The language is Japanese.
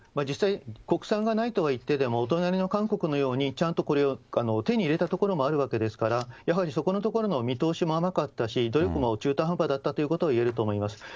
実際、国産がないとはいっても、お隣の韓国のように、ちゃんとこれを手に入れた所もあるわけですから、やはりそこのところの見通しも甘かったし、努力も中途半端だったということがいえると思います。